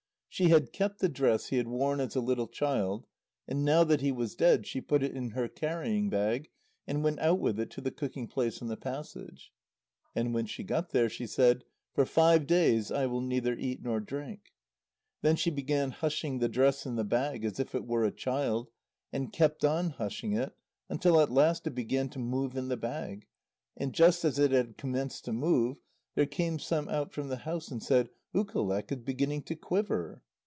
She had kept the dress he had worn as a little child, and now that he was dead, she put it in her carrying bag, and went out with it to the cooking place in the passage. And when she got there, she said: "For five days I will neither eat nor drink." Then she began hushing the dress in the bag as if it were a child, and kept on hushing it until at last it began to move in the bag, and just as it had commenced to move, there came some out from the house and said: "Ukaleq is beginning to quiver."